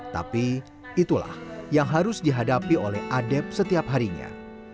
tapi itulah yang harus dihadapi oleh adep setiap harinya